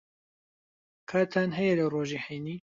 کاتتان ھەیە لە ڕۆژی ھەینی؟